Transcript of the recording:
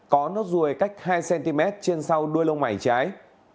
có nốt ruồi cách hai cm trên sau đuôi lông mày trái